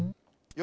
よ